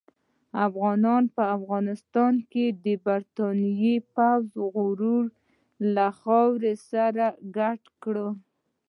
افغانانو په افغانستان کې د برتانیې پوځ غرور له خاورو سره ګډ کړ.